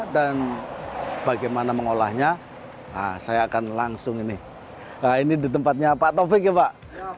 dan bagaimana mengolahnya saya akan langsung ini nah ini di tempatnya pak taufik ya pak